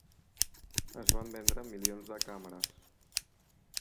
Es van vendre milions de càmeres.